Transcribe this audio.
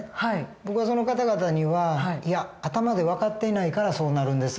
僕はその方々にはいや頭で分かっていないからそうなるんです。